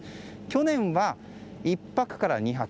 去年は１泊から２泊。